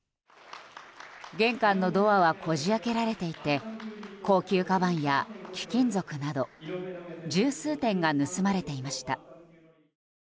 玄関のドアはこじ開けられていて高級かばんや貴金属など十数点が盗まれていました。